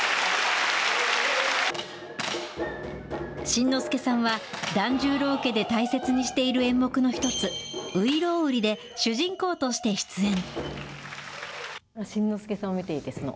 新之助さんは、團十郎家で大切にしている演目の一つ、外郎売で主人公として出演。